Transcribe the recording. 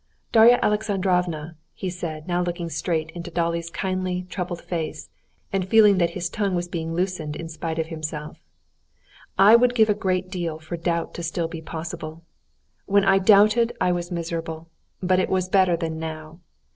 "Darya Alexandrovna," he said, now looking straight into Dolly's kindly, troubled face, and feeling that his tongue was being loosened in spite of himself, "I would give a great deal for doubt to be still possible. When I doubted, I was miserable, but it was better than now.